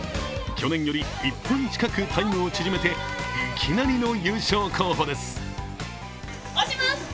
去年より１分近くタイムを縮めて、いきなりの優勝候補です。